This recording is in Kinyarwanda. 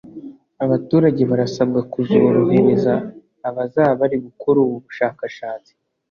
Abaturage barasabwa kuzorohereza abazaba bari gukora ubu bushakashatsi